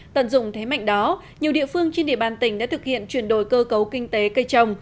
tận dụng thế mạnh đó nhiều địa phương trên địa bàn tỉnh đã thực hiện chuyển đổi cơ cấu kinh tế cây trồng